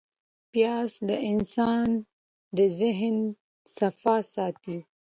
پیاز د انسان د ذهن صفا ساتي